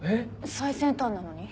最先端なのに？